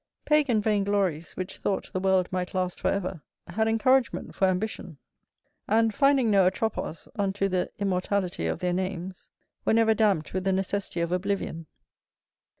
Pagan vain glories which thought the world might last for ever, had encouragement for ambition; and, finding no atropos unto the immortality of their names, were never dampt with the necessity of oblivion.